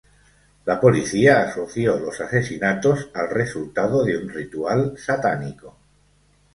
La policía asoció los asesinatos al resultado de un ritual satánico.